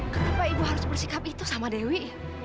kenapa ibu harus bersikap itu sama dewi